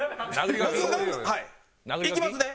僕がいきますね？